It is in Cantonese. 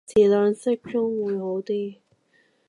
詞量適中會好啲